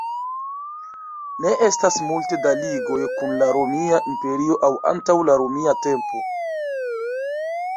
Ne estas multe da ligoj kun la Romia Imperio aŭ antaŭ la romia tempo.